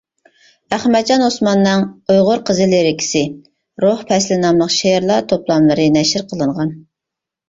ئەخمەتجان ئوسماننىڭ «ئۇيغۇر قىزى لىرىكىسى»، «روھ پەسلى» ناملىق شېئىرلار توپلاملىرى نەشر قىلىنغان.